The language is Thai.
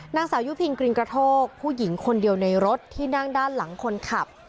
นางสาวยุพินกริงกระโทกผู้หญิงคนเดียวในรถที่นั่งด้านหลังคนขับ